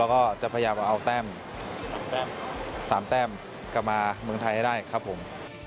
แล้วก็จะพยายามเอา๓แต้มกลับมาเมืองไทยให้ได้ครับผม